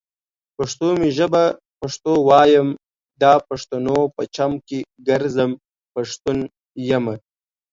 پښتو می ژبه پښتو وايم، دا پښتنو په چم کې ګرځم ، پښتون يمه